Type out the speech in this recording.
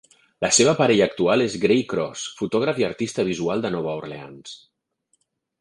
La seva parella actual és Gray Cross, fotògraf i artista visual de Nova Orleans.